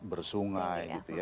bersungai gitu ya